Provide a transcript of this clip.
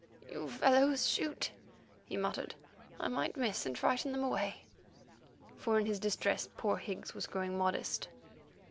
"You fellows shoot," he muttered; "I might miss and frighten them away," for in his distress poor Higgs was growing modest.